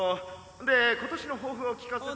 で今年の抱負を聞かせて」。